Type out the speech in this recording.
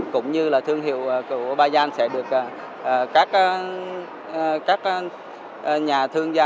cũng như là thương hiệu của asean sẽ được các nhà thương gia